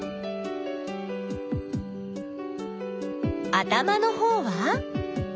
頭のほうは？